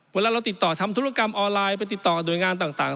เวลาเราติดต่อทำธุรกรรมออนไลน์ไปติดต่อหน่วยงานต่าง